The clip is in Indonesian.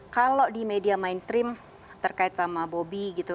kalau di media mainstream terkait sama bobby gitu